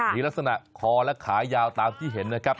มีลักษณะคอและขายาวตามที่เห็นนะครับ